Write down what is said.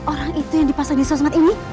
orang itu yang dipasang di sosmed ini